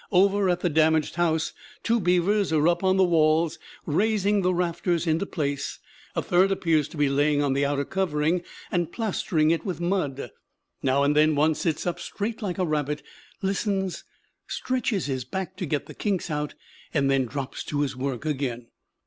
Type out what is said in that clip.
Over at the damaged house two beavers are up on the walls, raising the rafters into place; a third appears to be laying on the outer covering and plastering it with mud. Now and then one sits up straight like a rabbit, listens, stretches his back to get the kinks out, then drops to his work again.